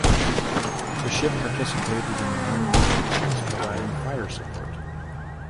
The ship participated in the Normandy landings providing fire support.